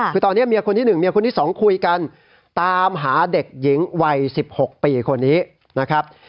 คือตอนนี้เมียคนที่๑เมียคนที่๒คุยกันตามหาเด็กหญิงวัย๑๖ปีคนนี้นะครับ